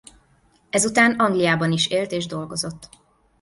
Ezután Angliában is élt és dolgozott.